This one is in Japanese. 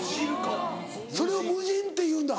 それを「無尽」っていうんだ。